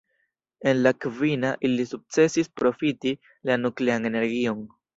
En la kvina, ili sukcesis profiti la nuklean energion.